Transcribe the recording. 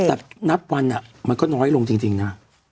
แต่นับวันมันก็น้อยลงจริงนะ